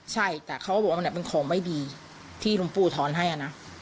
ใช่แต่เขาก็บอกว่ามันเป็นของไม่ดีที่หลวงปู่ทอนให้นะ